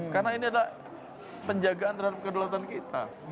karena ini adalah penjagaan terhadap kelelatan kita